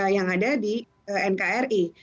yang ada di nkri